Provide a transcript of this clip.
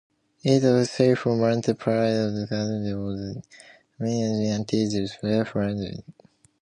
It takes a skillful Manta pilot to outfly the mines until they self-detonate.